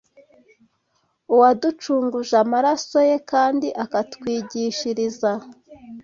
Uwaducunguje amaraso ye kandi akatwigishiriza